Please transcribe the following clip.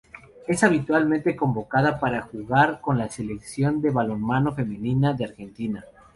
Es habitualmente convocada para jugar con Selección de Balonmano femenina de Argentina.